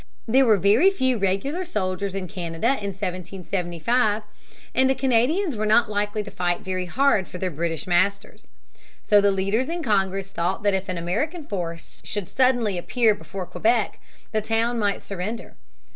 There were very few regular soldiers in Canada in 1775, and the Canadians were not likely to fight very hard for their British masters. So the leaders in Congress thought that if an American force should suddenly appear before Quebec, the town might surrender.